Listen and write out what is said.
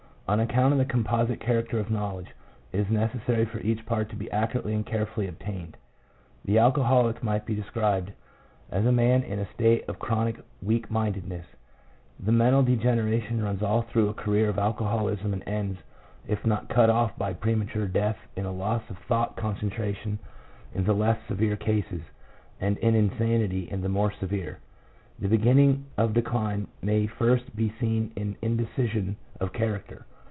On account of the composite character of knowledge, it is necessary for each part to be accurately and carefully obtained. The alcoholic might be described as a man in a state of chronic weak mindedness; 1 the mental de generation runs all through a career of alcoholism and ends, if not cut off by premature death, in a loss of thought concentration in the less severe cases, and in insanity in the more severe. The beginning of decline may first be seen in indecision of character.